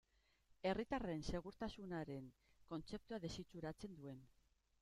Herritarren segurtasunaren kontzeptua desitxuratzen duen.